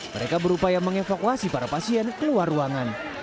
mereka berupaya mengevakuasi para pasien keluar ruangan